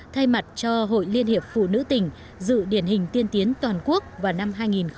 thay mặt cho hội liên hiệp phụ nữ tỉnh dự điển hình tiên tiến toàn quốc vào năm hai nghìn một mươi chín